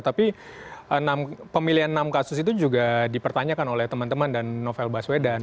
tapi pemilihan enam kasus itu juga dipertanyakan oleh teman teman dan novel baswedan